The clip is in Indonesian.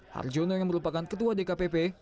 harjono yang merupakan ketua dkpp